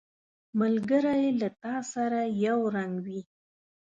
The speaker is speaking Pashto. ملګری له تا سره یو رنګ وي